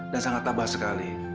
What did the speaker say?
dan sangat tabah sekali